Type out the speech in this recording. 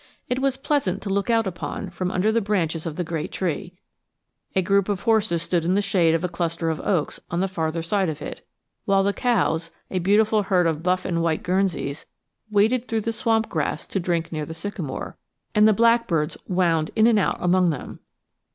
It was pleasant to look out upon, from under the branches of the great tree. A group of horses stood in the shade of a cluster of oaks on the farther side of it, while the cows, a beautiful herd of buff and white Guernseys, waded through the swamp grass to drink near the sycamore, and the blackbirds wound in and out among them.